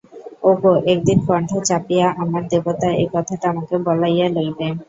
ওগো, একদিন কণ্ঠ চাপিয়া আমার দেবতা এই কথাটা আমাকে বলাইয়া লইবে।